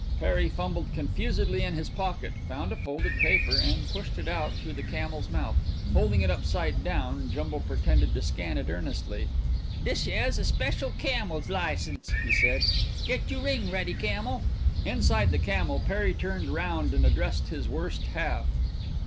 Perry fumbled confusedly in his pocket, found a folded paper, and pushed it out through the camel's mouth. Holding it upside down Jumbo pretended to scan it earnestly. "Dis yeah's a special camel's license," he said. "Get you ring ready, camel." Inside the camel Perry turned round and addressed his worse half.